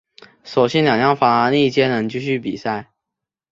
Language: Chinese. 所幸两辆法拉利皆能继续比赛。